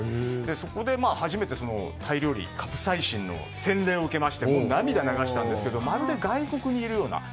そこで初めてタイ料理、カプサイシンの洗礼を受けまして涙を流したんですけどまるで外国にいるような。